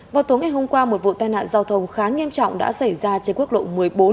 vào tối ngày hôm qua một vụ tai nạn giao thông khá nghiêm trọng đã xảy ra trên quốc lộ một mươi bốn